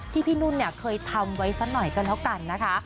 พี่นุ่นเนี่ยเคยทำไว้สักหน่อยก็แล้วกันนะคะ